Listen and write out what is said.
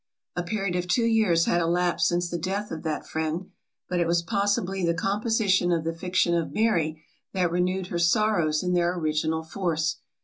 A period of two years had elapsed since the death of that friend; but it was possibly the composition of the fiction of Mary, that renewed her sorrows in their original force.